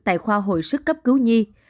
tại khoa hồi sức cấp cứu nhi